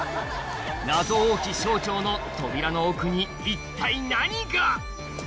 謎多き省庁の扉の奥に一体何が？